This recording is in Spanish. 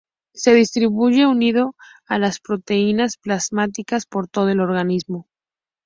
Se distribuye, unido a las proteínas plasmáticas por todo el organismo.